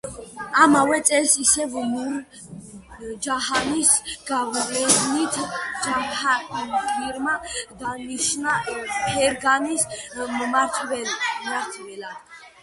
ამავე წელს, ისევ ნურ-ჯაჰანის გავლენით, ჯაჰანგირმა დანიშნა ფერგანის მმართველად.